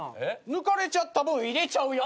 抜かれちゃった分入れちゃうよ。